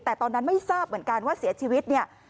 แต่ตอนนั้นไม่ทราบเหมือนกันว่าเสียชีวิตเนี่ย